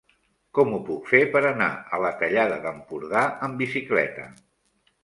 Com ho puc fer per anar a la Tallada d'Empordà amb bicicleta?